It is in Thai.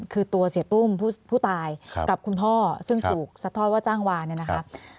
คือตัวเสียตุ้มผู้ตายกับคุณพ่อซึ่งถูกซัดทอดว่าจ้างวานเนี่ยนะครับ